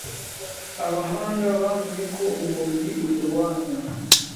Abahanga bamenye uko umubiri uyirwanyaa